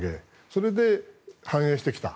それで繁栄してきた。